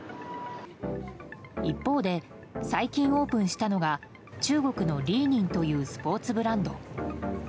一方で、最近オープンしたのが中国のリーニンというスポーツブランド。